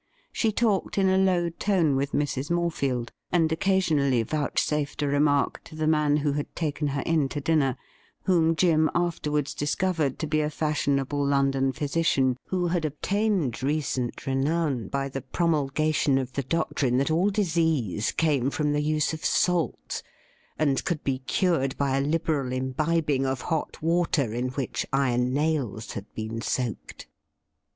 She talked in a low tone with Mrs. Morefield, and occasionally vouchsafed a remark to the man who had taken her in to dinner, whom Jim afterwards discovered to be a fashionable London physician who had obtained recent renown by the promulgation of the doctrine that all disease came from the use of salt, and could be cured by a liberal imbibing of hot water in which iron nails had been soaked.